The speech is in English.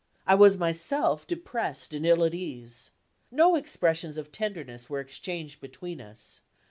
I was myself depressed and ill at ease. No expressions of tenderness were exchanged between us.